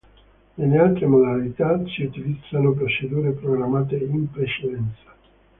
Nelle altre modalità si utilizzano procedure programmate in precedenza.